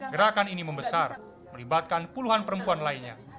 gerakan ini membesar melibatkan puluhan perempuan lainnya